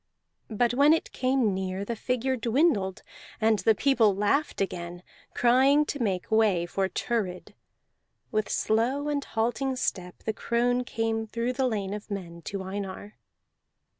But when it came near the figure dwindled, and the people laughed again, crying to make way for Thurid. With slow and halting step the crone came through the lane of men to Einar.